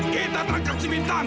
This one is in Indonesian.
kita akan menangkap bintang